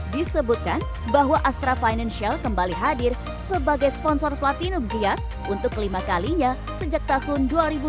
disebutkan bahwa astra financial kembali hadir sebagai sponsor platinum gias untuk kelima kalinya sejak tahun dua ribu dua puluh